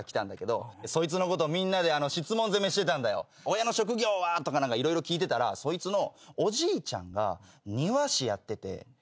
「親の職業は？」とか何か色々聞いてたらそいつの。